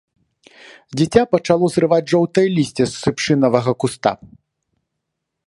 Дзіця пачало зрываць жоўтае лісце з шыпшынавага куста.